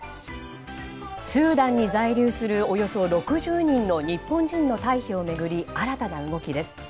スーダンに在留するおよそ６０人の日本人の退避を巡り新たな動きです。